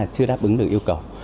chưa đáp ứng được yêu cầu